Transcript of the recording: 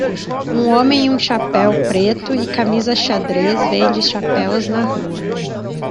Um homem em um chapéu preto e camisa xadrez vende chapéus na rua